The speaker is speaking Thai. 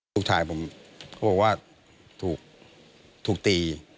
ลูกชายผมเขาบอกว่าถูกตี